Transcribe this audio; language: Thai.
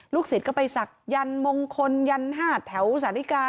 ศิษย์ก็ไปศักยันต์มงคลยันห้าแถวสาธิกา